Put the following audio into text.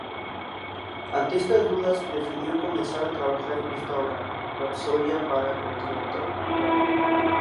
Ante estas dudas, prefirió comenzar a trabajar en otra obra, "Rapsodia para contralto", Op.